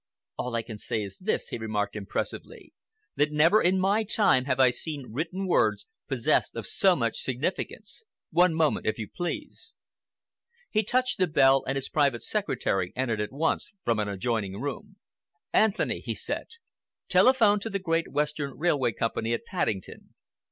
"All I can say is this," he remarked impressively, "that never in my time have I seen written words possessed of so much significance. One moment, if you please." He touched the bell, and his private secretary entered at once from an adjoining room. "Anthony," he said, "telephone to the Great Western Railway Company at Paddington.